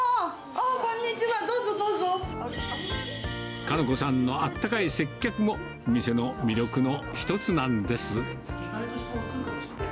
こんにちかの子さんのあったかい接客も、店の魅力の一つなんです。